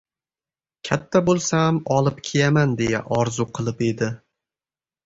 katta bo‘lsam olib kiyaman, deya orzu qilib edi.